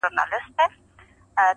چي « منظور» به هم د قام هم د الله سي!!